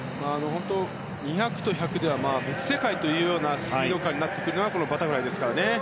２００と１００では別世界というようなスピード感になってくるのがこのバタフライですから。